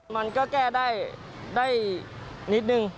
มันก็แก้ได้นิดนึง